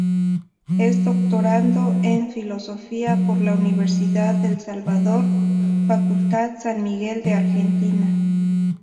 Es Doctorando en Filosofía por la Universidad del Salvador, Facultad San Miguel de Argentina.